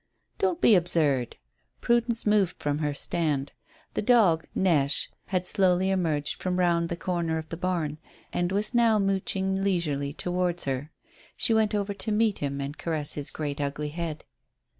"Don't be absurd." Prudence moved from her stand. The dog, Neche, had slowly emerged from round the corner of the barn, and was now mouching leisurely towards her. She went over to meet him and caress his great ugly head.